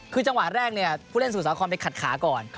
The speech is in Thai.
คือจังหวะแรกเนี่ยผู้เล่นสมุทรสาครไปขัดขาก่อน